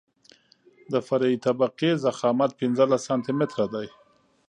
د فرعي طبقې ضخامت پنځلس سانتي متره دی